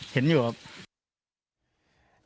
เห็นอยู่ครับ